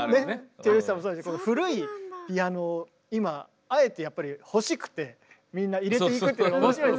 チェレスタもそうだけど古いピアノを今あえてやっぱり欲しくてみんな入れていくっていうの面白いですよね。